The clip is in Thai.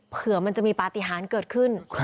เผื่อมันจะมีปฏิหารเกิดขึ้น